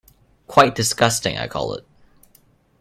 Quite disgusting, I call it.